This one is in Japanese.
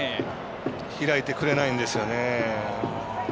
開いてくれないんですよね。